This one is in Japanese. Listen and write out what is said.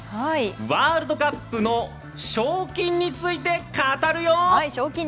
ワールドカップの賞金についてカタルよ！